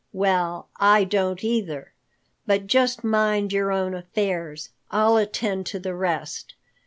Well, I don't either. But just mind your own affairs. I'll attend to the rest."